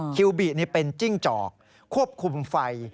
คิวบิเป็นจิ้งจอกควบคุมไฟ